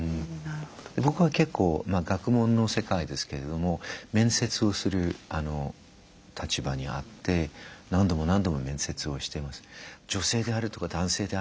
僕は結構まあ学問の世界ですけれども面接をする立場にあって何度も何度も面接をしてます。